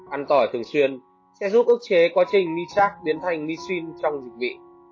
ăn tỏi thường xuyên sẽ giúp ức chế quá trình ni chak biến thành ni xin trong dịch vị